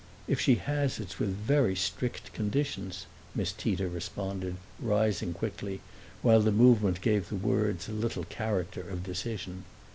"If she has it's with very strict conditions," Miss Tita responded, rising quickly, while the movement gave the words a little character of decision.